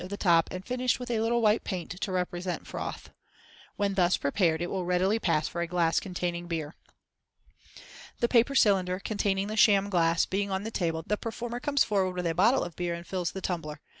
of the top, and finished with a little white paint to represent froth, when, thus, prepared, it will readily pass for a glass containing beer. The paper cylinder, containing the sham glass, being on the table, the performer comes forward with a bottle of beer and fills the tumbler.